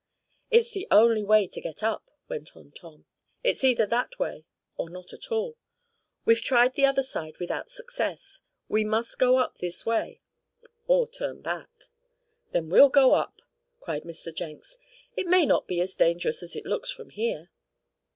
"It's the only way to get up," went on Tom. "It's either that way, or not at all. We've tried the other side without success. We must go up this way or turn back." "Then we'll go up!" cried Mr. Jenks. "It may not be as dangerous as it looks from here."